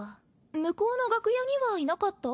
向こうの楽屋にはいなかった？